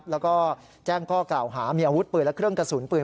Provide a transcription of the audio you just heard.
แล้วก็แจ้งข้อกล่าวหามีอาวุธปืนและเครื่องกระสุนปืน